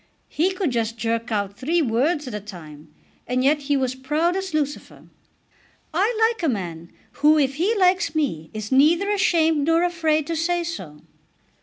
He could just jerk out three words at a time, and yet he was proud as Lucifer. I like a man who if he likes me is neither ashamed nor afraid to say so."